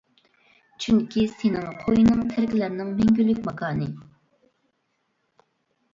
چۈنكى سېنىڭ قوينىڭ تىرىكلەرنىڭ مەڭگۈلۈك ماكانى.